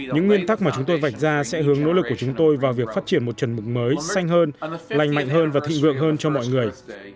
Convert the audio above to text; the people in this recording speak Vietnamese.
chúng tôi vào việc phát triển một trần mục mới xanh hơn lành mạnh hơn và thịnh vượng hơn cho mọi người